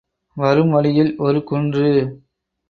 வரும் வழியில் ஒரு குன்று.